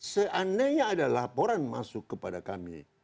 seandainya ada laporan masuk kepada kami